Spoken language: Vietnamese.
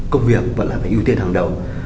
công việc vẫn là phải ưu tiên hàng đầu